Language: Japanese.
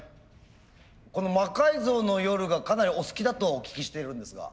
この「魔改造の夜」がかなりお好きだとお聞きしているんですが。